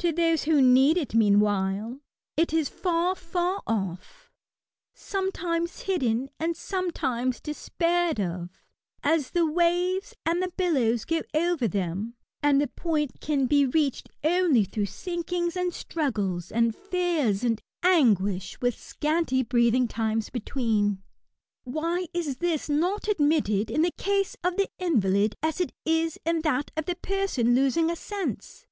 To those who need it, meanwhile, it is far far off— sometimes hidden and sometimes despaired of, as the waves and the billows go over them, and the point can be reached only through sinkings and struggles, and fears and anguish, with scanty breathing times between. Why is this not admitted in the case of the invalid as it is in that of the person losing a sense